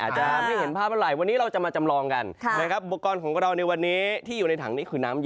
เดี๋ยวจะสะใส่คุณแล้วก็บอกว่าร้อนหรือป่ะ